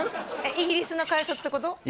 イギリスの改札ってこと？